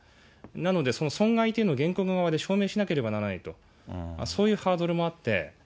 なので、その損害というのを原告側で証明しなければならないと、そういうハードルもあって。